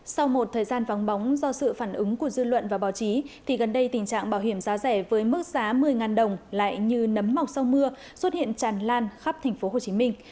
sau một thời gian vắng bóng do sự phản ứng của dư luận và báo chí thì gần đây tình trạng bảo hiểm giá rẻ với mức giá một mươi đồng lại như nấm mọc sau mưa xuất hiện tràn lan khắp thành phố hồ chí minh